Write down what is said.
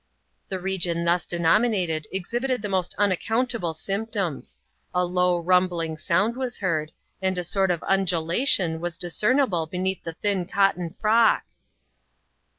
The region thus denominated exhibited the most unaccount able symptoms. A low, rumbling sound was heard ; and a sort of undulation was discerm\Ae\^Ti<e»^k^<^lhixi cotton frock.